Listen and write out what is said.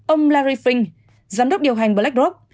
ông larry fink giám đốc điều hành blackrock